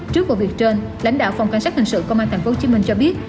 trước vụ việc trên lãnh đạo phòng cảnh sát hình sự công an tp hcm cho biết